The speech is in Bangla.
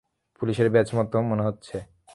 পুলিশের ব্যাজ মতো মনে হচ্ছে।